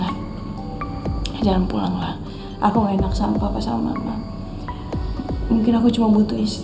lapangan pulanglah aku enak sampa sama nama yang mill tradition nya ini juga jatuh erasimu